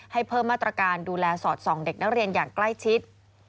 ให้เพิ่มมาตรการดูแลสอดส่องเด็กนักเรียนอย่างใกล้ชิด